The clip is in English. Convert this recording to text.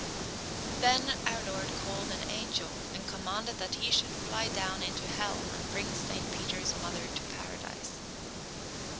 Then our Lord called an angel and commanded that he should fly down into hell and bring Saint Peter's mother to Paradise.